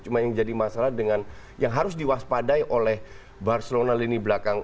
cuma yang jadi masalah dengan yang harus diwaspadai oleh barcelona lini belakang